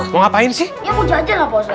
mau ngapain sih ya puja aja lah bos